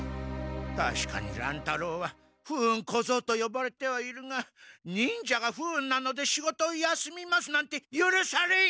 たしかに乱太郎は不運小僧とよばれてはいるが忍者が「不運なので仕事を休みます」なんてゆるされん！